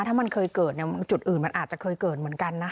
ถ้ามันเคยเกิดจุดอื่นมันอาจจะเคยเกิดเหมือนกันนะ